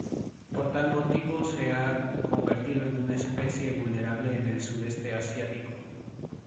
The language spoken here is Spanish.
Por tal motivo se ha convertido en una especie vulnerable en el Sudeste Asiático.